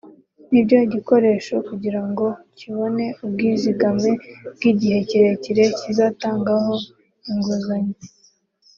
nibyo gikoresha kugirango kibone ubwizigame bw’igihe kirekire kizatangaho inguzanyo